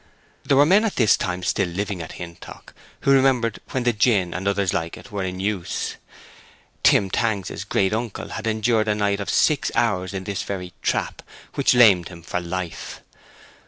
There were men at this time still living at Hintock who remembered when the gin and others like it were in use. Tim Tangs's great uncle had endured a night of six hours in this very trap, which lamed him for life.